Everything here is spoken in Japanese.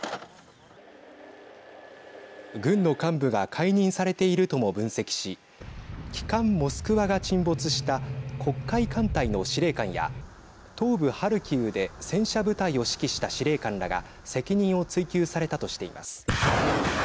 軍の幹部が解任されているとも分析し旗艦モスクワが沈没した黒海艦隊の司令官や東部ハルキウで戦車部隊を指揮した司令官らが責任を追及されたとしています。